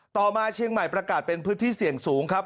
มาเชียงใหม่ประกาศเป็นพื้นที่เสี่ยงสูงครับ